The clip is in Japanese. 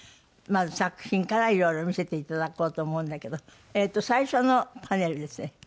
作品からいろいろ見せていただこうと思うんだけど最初のパネルですね。